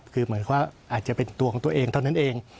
คือเหมือนว่าอาจจะเป็นตัวของตัวเองเท่านั้นเอง